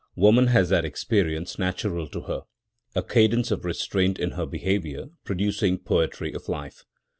Woman has that expression natural to her—a cadence of restraint in her behaviour, producing poetry of life.